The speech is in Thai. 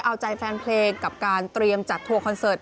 เอาใจแฟนเพลงกับการเตรียมจัดทัวร์คอนเสิร์ต